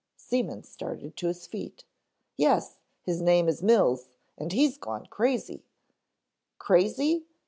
Seaman started to his feet. "Yes, his name is Mills and he's gone crazy " "Crazy?"